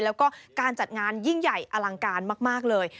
แล้วก็การจัดงานยิ่งใหญ่อลังการมากเลย